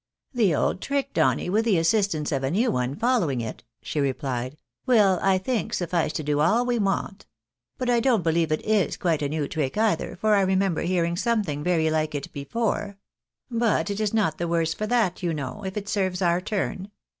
"" The old trick, Donny, with the assistance of a new one following it," she rephed, " will, I think, suffice to do all we want. But I don't believe it is quite a new trick either, for I remember hearing something very Hke it before ; but it is not the worse for that, you know, if it serves our turn.